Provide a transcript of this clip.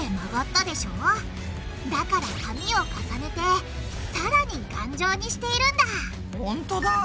だから紙を重ねてさらに頑丈にしているんだほんとだ。